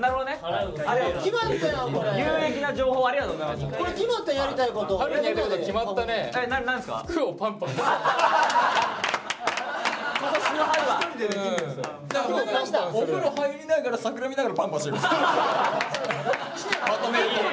まとめると。